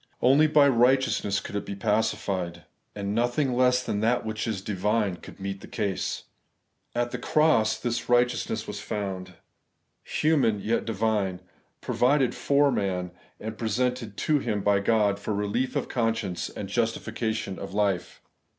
Only by ' righteousness' could it be pacified ; and nothing less than that which is divine could meet the case. At the cross this 'righteousness' was found; human, yet divine : provided for man, and presented to him by God, for relief of conscience and justi fication of life.